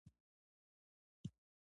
خدمت د محصول بشپړونه کوي.